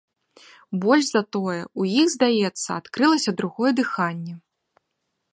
Больш за тое, у іх, здаецца, адкрылася другое дыханне.